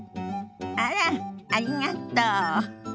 あらっありがとう。